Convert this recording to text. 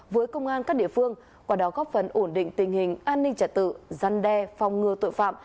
với công an các địa phương qua đó góp phần ổn định tình hình an ninh trật tự răn đe phòng ngừa tội phạm